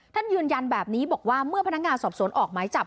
ยืนยันแบบนี้บอกว่าเมื่อพนักงานสอบสวนออกหมายจับ